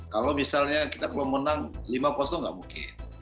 kalau misalnya kita mau menang lima nggak mungkin